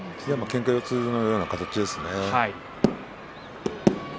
けんか四つのような感じですね。